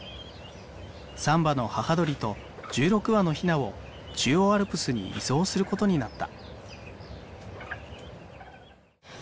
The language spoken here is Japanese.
３羽の母鳥と１６羽のひなを中央アルプスに移送することになった。